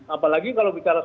apalagi kalau bicara soal